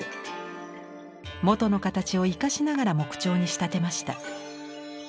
元の形を生かしながら木彫に仕立てました。